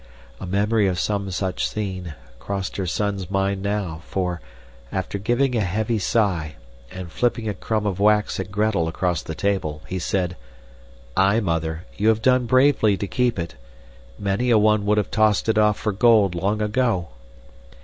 A memory of some such scene crossed her son's mind now, for, after giving a heavy sigh, and flipping a crumb of wax at Gretel across the table, he said, "Aye, Mother, you have done bravely to keep it many a one would have tossed it off for gold long ago."